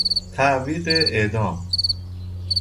تعویق اعدام